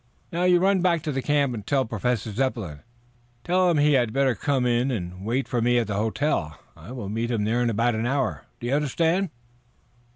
Now you run back to the camp and tell Professor Zepplin. Tell him he had better come in and wait for me at the hotel. I will meet him there in about an hour. Do you understand?"